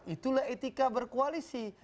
itulah etika berkoalisi